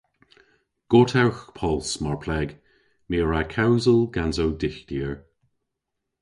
Gortewgh pols mar pleg. My a wra kewsel gans ow dyghtyer.